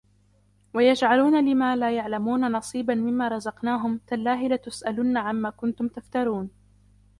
وَيَجْعَلُونَ لِمَا لَا يَعْلَمُونَ نَصِيبًا مِمَّا رَزَقْنَاهُمْ تَاللَّهِ لَتُسْأَلُنَّ عَمَّا كُنْتُمْ تَفْتَرُونَ